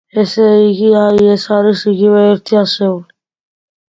ესე იგი, აი, ეს არის იგივე ერთი ასეული.